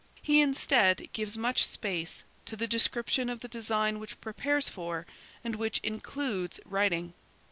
He instead, gives much space to the description of the design which prepares for, and which includes writing.